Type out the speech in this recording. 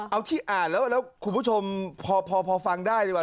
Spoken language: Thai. เอาที่อ่านแล้วคุณผู้ชมพอฟังได้ดีกว่า